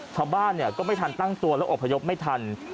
ชาวบ้านก็ไม่ทันตั้งตัวแล้วอบพยพไม่ทัน